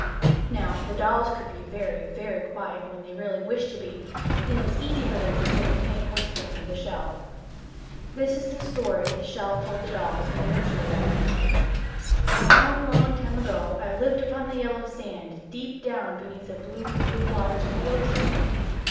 Now the dolls could be very, very quiet when they really wished to be, and it was easy for them to hear the faint whispering of the shell. This is the story the shell told the dolls in the nursery that night: "A long, long time ago, I lived upon the yellow sand, deep down beneath the blue, blue waters of the ocean.